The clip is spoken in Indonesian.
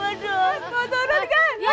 mau turun kan